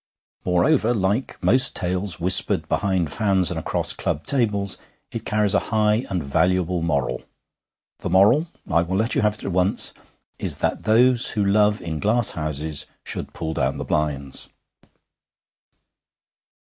Moreover, like most tales whispered behind fans and across club tables, it carries a high and valuable moral. The moral I will let you have it at once is that those who love in glass houses should pull down the blinds.